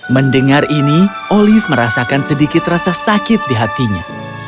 mendengar ini olive merasakan sedikit rasa sakit di hatinya